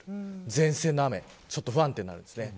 前線の雨ちょっと不安定になります。